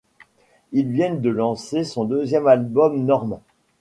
Il vient de lancer son deuxième album Normes.